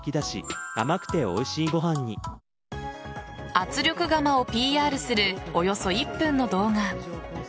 圧力釜をＰＲするおよそ１分の動画。